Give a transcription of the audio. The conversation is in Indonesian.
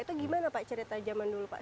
atau gimana pak cerita zaman dulu pak